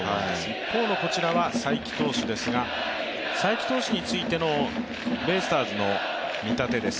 一方のこちらは才木投手ですが、才木投手についてのベイスターズの見立てです。